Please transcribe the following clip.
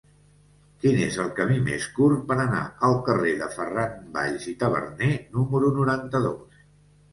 Quin és el camí més curt per anar al carrer de Ferran Valls i Taberner número noranta-dos?